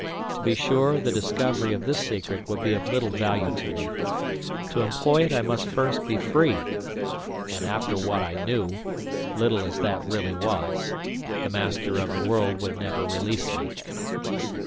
To be sure, the discovery of this secret would be of little value to me. To employ it I must first be free. And after what I knew—little as that really was—the Master of the World would never release me.